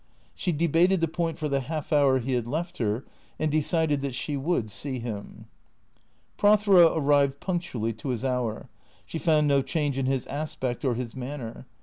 She debated the point for the half hour he had left her, and decided that she would see him. Prothero arrived punctually to his hour. She found no change in his aspect or his manner.